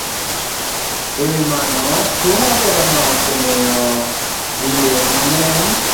E wi mano, tuo mar corona osemiyo dinde mang'eny